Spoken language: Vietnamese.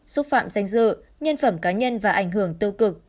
xúc phạm danh dự nhân phẩm cá nhân và ảnh hưởng tiêu cực